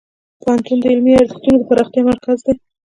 پوهنتون د علمي ارزښتونو د پراختیا مرکز دی.